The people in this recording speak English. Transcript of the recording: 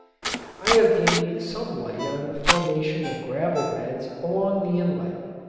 I have gained some light on the formation of gravel beds along the inlet.